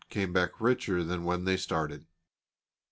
came back richer than when they started.